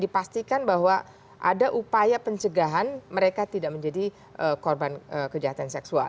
dipastikan bahwa ada upaya pencegahan mereka tidak menjadi korban kejahatan seksual